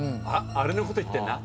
あれのこと言ってんな。